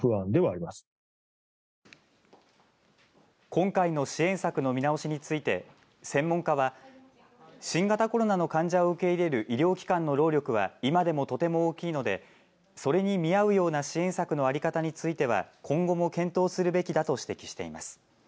今回の支援策の見直しについて専門家は新型コロナの患者を受け入れる医療機関の労力は今でもとても大きいので、それに見合うような支援策の在り方については今後も検討するべきだと指摘しています。